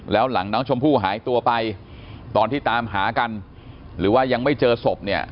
แล้วหลังน้องชมพู่หายตัวไปตอนที่ตามหากันหรือว่ายังไม่เจอศพเนี่ย